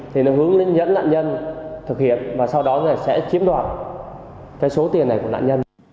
thì nó hướng đến dẫn nạn nhân thực hiện và sau đó là sẽ chiếm đoạt cái số tiền này của nạn nhân